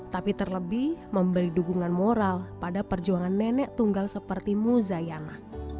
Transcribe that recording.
tapi terlebih memberi dukungan moral pada perjuangan nenek tunggal seperti muzayana